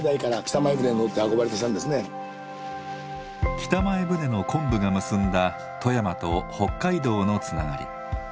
北前船の昆布が結んだ富山と北海道のつながり。